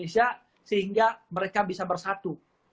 sehingga mereka bisa bersatu